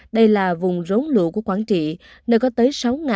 đây là vùng rốn lụ của quảng trị nơi có tới sáu ba trăm linh